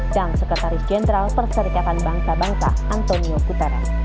dan sekretaris jenderal perserikatan bangsa bangsa antonio putera